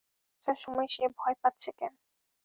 ভেতরে আসার সময় সে ভয় পাচ্ছে কেন?